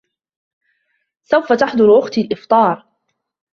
سوف تحضر اختى الإفطار.